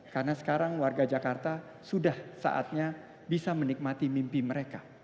karena sekarang warga jakarta sudah saatnya bisa menikmati mimpi mereka